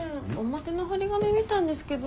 表の貼り紙見たんですけど。